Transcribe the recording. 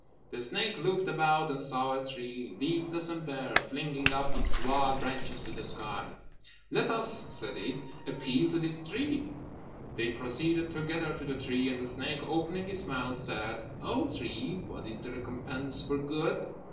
The snake looked about and saw a tree, leafless and bare, flinging up its wild branches to the sky. "Let us," said it, "appeal to this tree." They proceeded together to the tree; and the snake, opening its mouth, said, "O tree, what is the recompense for good?"